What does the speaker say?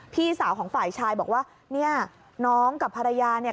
พี่สาวของฝ่ายชายบอกว่าเนี่ยน้องกับภรรยาเนี่ย